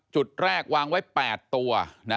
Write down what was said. จุดแรกวางไว้๘ตัว